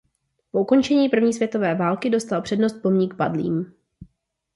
Po ukončení první světové války dostal přednost pomník padlým.